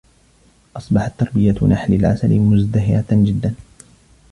أصبحت تربية نحل العسل مزدهرة جدا.